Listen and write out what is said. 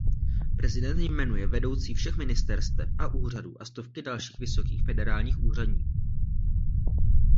Prezident jmenuje vedoucí všech ministerstev a úřadů a stovky dalších vysokých federálních úřadníků.